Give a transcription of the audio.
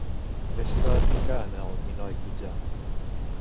Què s'hi va edificar en el minoic mitjà?